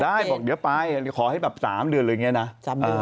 บอกเดี๋ยวไปขอให้แบบ๓เดือนอะไรอย่างนี้นะ